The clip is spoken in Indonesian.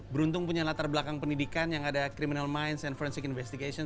beruntung punya latar belakang pendidikan yang ada criminal mindse and forensic investigation